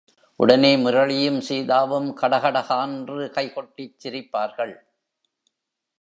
உடனே முரளியும் சீதாவும் கடகட கான்று கைகொட்டிச் சிரிப்பார்கள்.